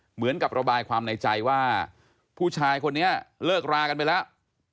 เหมือนกับระบายความในใจว่าผู้ชายคนนี้เลิกรากันไปแล้ว